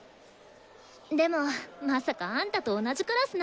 でもまさかあんたと同じクラスなんてね。